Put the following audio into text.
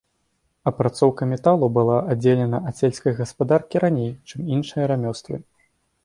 Апрацоўка металу была аддзелена ад сельскай гаспадаркі раней, чым іншыя рамёствы.